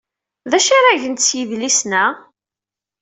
D acu ara gent s yidlisen-a?